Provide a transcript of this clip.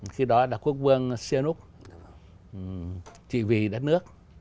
khi đó là quốc vương siên úc chỉ vì đất nước